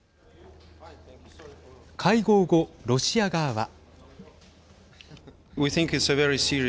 会合後、ロシア側は。